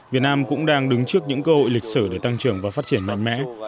việt nam cũng đang đứng trước những cơ hội lịch sử để tăng trưởng và phát triển mạnh mẽ